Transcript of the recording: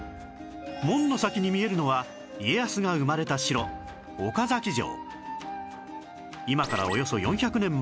門の先に見えるのは家康が生まれた城岡崎城